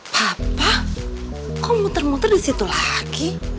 papa kau muter muter di situ lagi